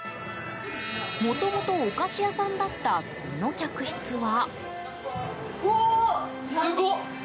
もともと、お菓子屋さんだったこの客室は。